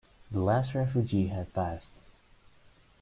The last refugee had passed.